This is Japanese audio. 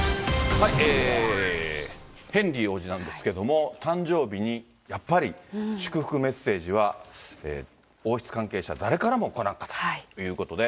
ヘンリー王子なんですけれども、誕生日にやっぱり祝福メッセージは、王室関係者、誰からも来なかったということで。